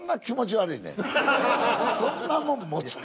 そんなもん持つか？